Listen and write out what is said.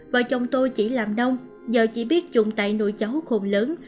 vợ chồng tôi chỉ làm nông giờ chỉ biết dùng tay nuôi cháu khôn lớn